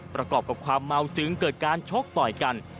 ประกอบกับความเมาจึงเกิดการชกต่อยกัน